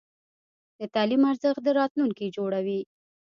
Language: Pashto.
د تعلیم ارزښت د راتلونکي جوړوي.